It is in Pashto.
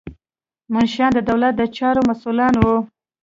منشیان د دولت د چارو مسؤلان وو.